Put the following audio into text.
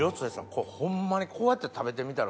これホンマにこうやって食べてみたら。